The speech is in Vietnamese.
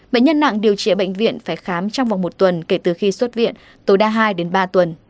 bệnh nhân nặng điều trị ở bệnh viện phải khám trong vòng một tuần kể từ khi xuất viện tối đa hai đến ba tuần